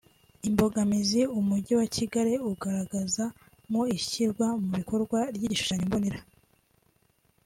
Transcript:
Imbogamizi umujyi wa Kigali ugaragaza mu ishyirwa mu bikorwa ry’igishushanyombonera